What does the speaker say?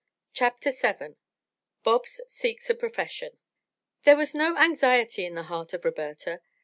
CHAPTER VII. BOBS SEEKS A PROFESSION There was no anxiety in the heart of Roberta.